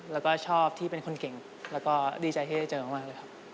แล้วก็ชอบที่เป็นคนเก่งแล้วก็ดีใจที่ได้เจอมากเลยครับ